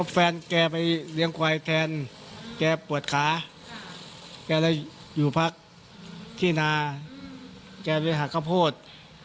แฟนแกไปเลี้ยงควายแทนแกปวดขาแกเลยอยู่พักที่นาแกไปหาข้าวโพด